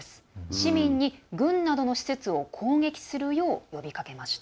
市民に軍などの施設を攻撃するよう求めました。